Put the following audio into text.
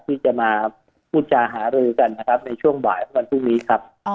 ที่จะมาพูดจาหารือกันนะครับในช่วงบ่ายของวันพรุ่งนี้ครับ